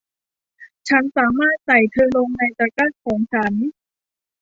ฉันสามารถใส่เธอลงในตะกร้าของฉัน